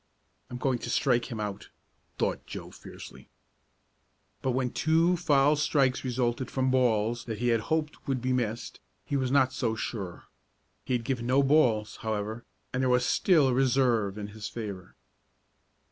"I'm going to strike him out!" thought Joe fiercely. But when two foul strikes resulted from balls that he had hoped would be missed he was not so sure. He had given no balls, however, and there was still a reserve in his favor.